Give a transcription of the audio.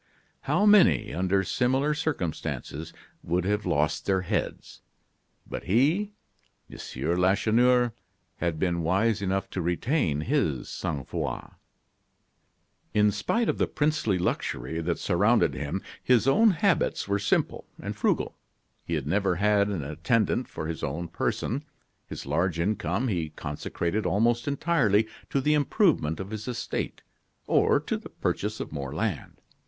How many, under similar circumstances, would have lost their heads! But he, M. Lacheneur, had been wise enough to retain his sang froid. In spite of the princely luxury that surrounded him, his own habits were simple and frugal. He had never had an attendant for his own person. His large income he consecrated almost entirely to the improvement of his estate or to the purchase of more land.